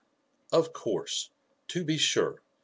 "Of course! To be sure!"